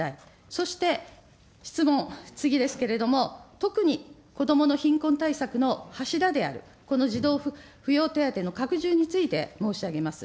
そして質問、次ですけれども、特に、子どもの貧困対策の柱であるこの児童扶養手当の拡充について申し上げます。